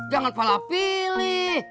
jangan pala pilih